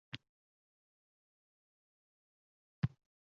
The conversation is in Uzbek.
Mulk huquqi to'liq kafolatlangan